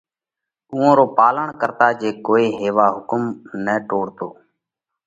اُوئون رو پالڻ ڪرتا جي ڪوئي ھيوا حُڪم نئہ ٽوڙتو